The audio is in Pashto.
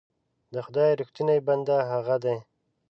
د خدای رښتونی بنده هغه دی.